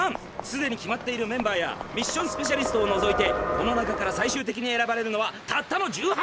すでに決まっているメンバーやミッション・スペシャリストを除いてこの中から最終的に選ばれるのはたったの１８人。